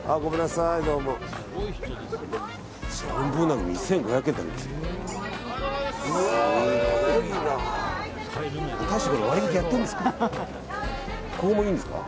いいんですか？